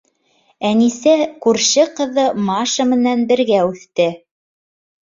Әнисә күрше ҡыҙы Маша менән бергә үҫте.